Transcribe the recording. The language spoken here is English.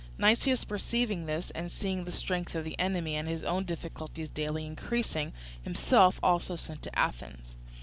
Nicias perceiving this, and seeing the strength of the enemy and his own difficulties daily increasing, himself also sent to Athens.